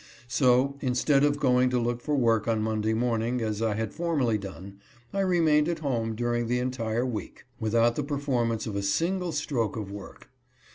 So, instead of going to look for work on Monday morning, as I had for merly done, I remained at home during the entire week, without the performance of a single stroke of work.